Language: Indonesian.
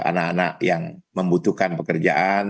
anak anak yang membutuhkan pekerjaan